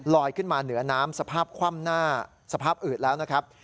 ขึ้นมาเหนือน้ำสภาพคว่ำหน้าสภาพอืดแล้วนะครับ